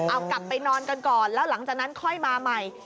เอากลับไปนอนกันก่อนแล้วหลังจากนั้นค่อยมาใหม่